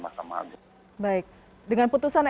masyarakat baik dengan putusan